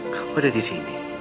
kamu ada di sini